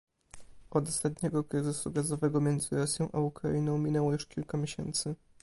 Od ostatniego kryzysu gazowego między Rosją a Ukrainą minęło już kilka miesięcy